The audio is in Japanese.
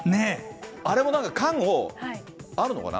あれもなんか缶を、あるのかな？